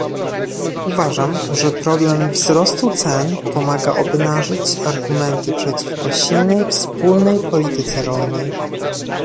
Uważam, że problem wzrostu cen pomaga obnażyć argumenty przeciwko silnej wspólnej polityce rolnej